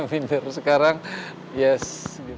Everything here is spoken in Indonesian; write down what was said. minder sekarang yes